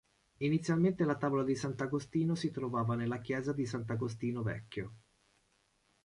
Inizialmente la tavola di sant'Agostino si trovava nella chiesa di sant'Agostino Vecchio.